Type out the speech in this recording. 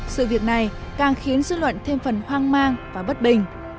sự việc này càng khiến dư luận thêm phần hoang mang và bất bình